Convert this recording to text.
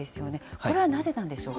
これはなぜなんでしょうか。